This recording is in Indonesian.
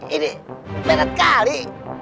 ini bener kali